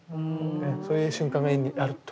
そういう瞬間が絵にあると。